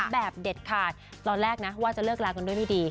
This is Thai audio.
เด็ดขาดตอนแรกนะว่าจะเลิกลากันด้วยไม่ดี